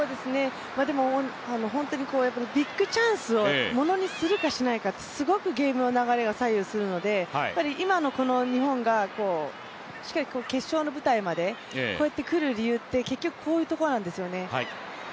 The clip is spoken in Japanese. でも本当にビッグチャンスをものにするかしないかって、すごくゲームの流れを左右するので今の日本がしっかり決勝の舞台までこうやって来る理由って、結局こういうところなんですよね。